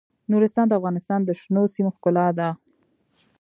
نورستان د افغانستان د شنو سیمو ښکلا ده.